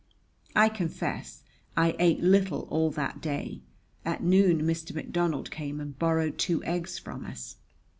I confess I ate little all that day. At noon Mr. McDonald came and borrowed two eggs from us.